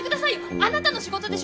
あなたの仕事でしょ！